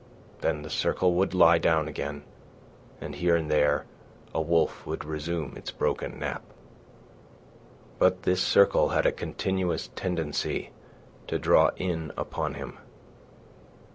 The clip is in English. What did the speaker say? Then the circle would lie down again, and here and there a wolf would resume its broken nap. But this circle had a continuous tendency to draw in upon him.